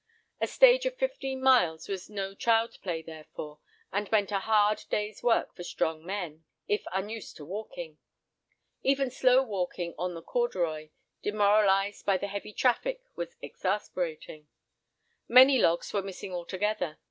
A stage of fifteen miles was no child's play therefore, and meant a hard day's work for strong men, if unused to walking. Even slow walking on the Corduroy, demoralised by the heavy traffic, was exasperating. Many logs were missing altogether.